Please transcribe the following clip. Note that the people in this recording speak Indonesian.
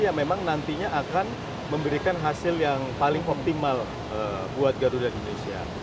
yang memang nantinya akan memberikan hasil yang paling optimal buat garuda indonesia